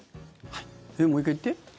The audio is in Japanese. もう１回言って。